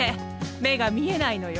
目が見えないのよ。